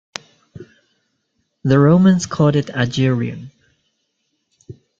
The Romans called it Agirium.